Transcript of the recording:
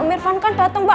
om irfan kan dateng mbak